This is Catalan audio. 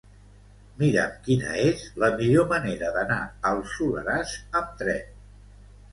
Mira'm quina és la millor manera d'anar al Soleràs amb tren.